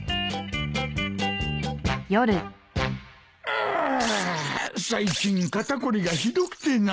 うん最近肩凝りがひどくてな。